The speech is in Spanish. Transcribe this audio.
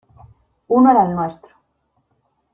uno era el nuestro.